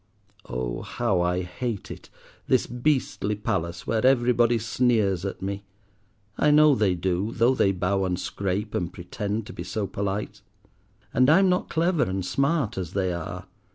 Oh, how I hate it, this beastly palace where everybody sneers at me—I know they do, though they bow and scrape, and pretend to be so polite. And I'm not clever and smart as they are.